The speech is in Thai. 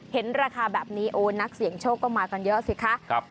เห็นราคาแบบนี้โอ้นักเสี่ยงโชคก็มากันเยอะสิคะ